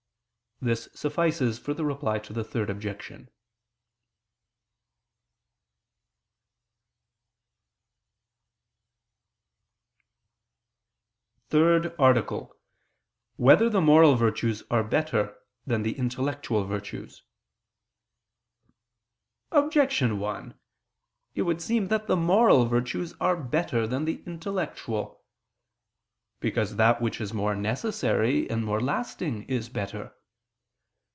This suffices for the Reply to the Third Objection. ________________________ THIRD ARTICLE [I II, Q. 66, Art. 3] Whether the Moral Virtues Are Better Than the Intellectual Virtues? Objection 1: It would seem that the moral virtues are better than the intellectual. Because that which is more necessary, and more lasting, is better.